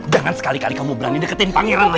jangan sekali kali kamu berani deketin pangeran